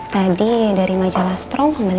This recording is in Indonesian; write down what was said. tadi dari majalah strong kembali